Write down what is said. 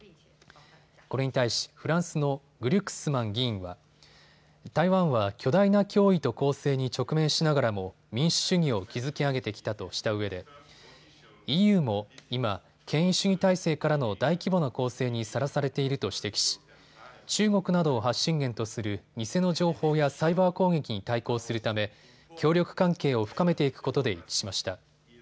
これに対しフランスのグリュックスマン議員は台湾は巨大な脅威と攻勢に直面しながらも民主主義を築き上げてきたとしたうえでＥＵも今、権威主義体制からの大規模な攻勢にさらされていると指摘し中国などを発信源とする偽の情報やサイバー攻撃に対抗するため協力関係を深めていくことで一致しました。